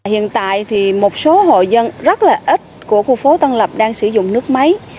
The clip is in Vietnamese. hiện tại thì một số hội dân rất là ít của khu phố tân lập đang sử dụng nước máy